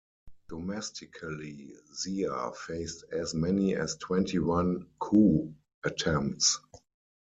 Domestically, Zia faced as many as twenty-one coup attempts.